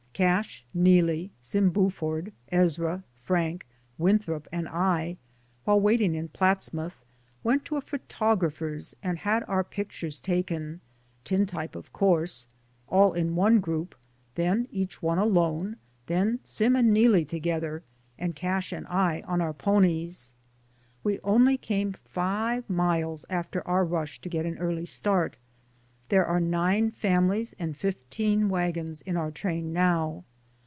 Cash, Neelie, Sim Buford, Ezra, Frank, Winthrop and I while waiting in Platsmouth went to a photographer's and had our pic tures taken; tintype, of course, all in one group, then each one alone, then Sim and Neelie together and Cash and I on our po nies. We only came five miles after our rush to get an early start. There are nine fami lies and fifteen wagons in our train now.